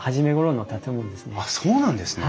あっそうなんですね。